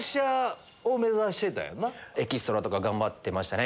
エキストラとか頑張ってましたね